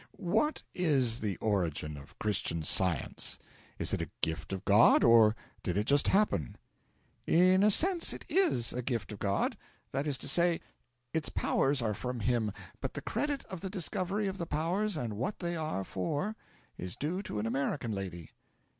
'What is the origin of Christian Science? Is it a gift of God, or did it just happen?' 'In a sense, it is a gift of God. That is to say, its powers are from Him, but the credit of the discovery of the powers and what they are for is due to an American lady.'